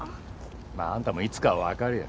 まああんたもいつかはわかるよ。